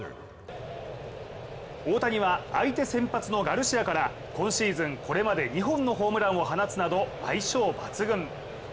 大谷は相手先発のガルシアから今シーズン、これまで２本のホームランを放つなど相性抜群。